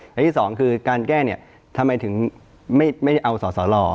อย่างที่สองคือการแก้ทำไมถึงไม่เอาสอสร